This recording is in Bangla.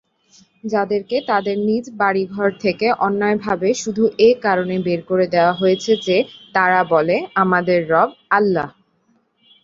যাদেরকে তাদের নিজ বাড়ি-ঘর থেকে অন্যায়ভাবে শুধু এ কারণে বের করে দেয়া হয়েছে যে, তারা বলে, ‘আমাদের রব আল্লাহ’।